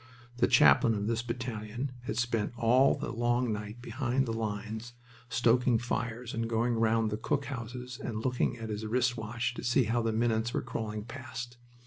The chaplain of this battalion had spent all the long night behind the lines, stoking fires and going round the cook houses and looking at his wrist watch to see how the minutes were crawling past.